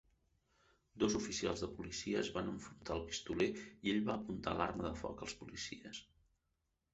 Dos oficials de policia es van enfrontar al pistoler i ell va apuntar l"arma de foc als policies.